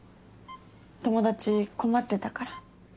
友達困ってたから。